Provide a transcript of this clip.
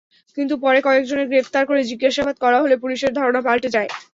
কিন্তু পরে কয়েকজনকে গ্রেপ্তার করে জিজ্ঞাসাবাদ করা হলে পুলিশের ধারণা পাল্ট যায়।